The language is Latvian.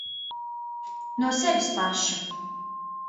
No sevis paša.